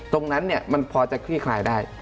ตรงนั้นมันพอจะคลี่คลายได้